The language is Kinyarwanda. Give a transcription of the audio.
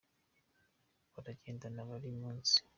baragendana burimunsi.